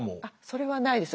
それはないです。